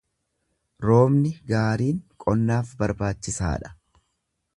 Roobni gaariin qonnaaf barbaachisaa dha.